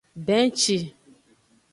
Benci.